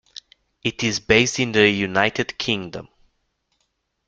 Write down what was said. It is based in the United Kingdom.